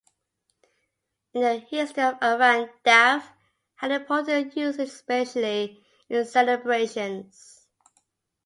In the history of Iran, "daf" had important usage specially in celebrations.